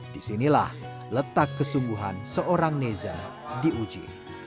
disinilah letak kesungguhan seorang neza di uji